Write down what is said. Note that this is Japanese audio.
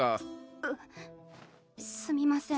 ううっすみません。